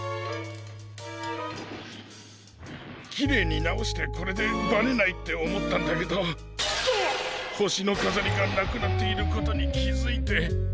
きれいになおしてこれでバレないっておもったんだけどほしのかざりがなくなっていることにきづいて。